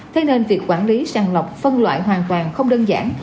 thế nên việc quản lý sàng lọc phân loại hoàn toàn không đơn giản